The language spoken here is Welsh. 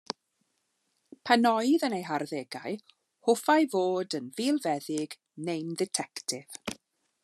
Pan oedd yn ei harddegau, hoffai fod yn filfeddyg neu'n dditectif.